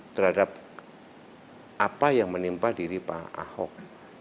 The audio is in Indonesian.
terhadap apa yang menimpa diri pak ahok